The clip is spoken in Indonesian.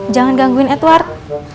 jangan gangguin edward